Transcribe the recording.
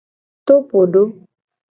Topodo.